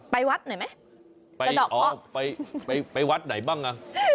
ไปวัดหน่อยไหมสะดอกข้ออ๋อไปวัดไหนบ้างอ่ะ